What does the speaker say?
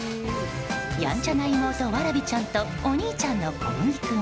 やんちゃな妹わらびちゃんとお兄さんのこむぎ君。